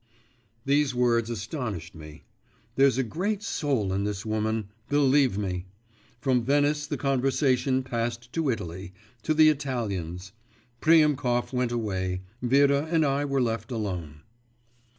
These words astonished me. There's a great soul in this woman, believe me.… From Venice the conversation passed to Italy, to the Italians. Priemkov went away, Vera and I were left alone.